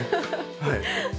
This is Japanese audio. はい。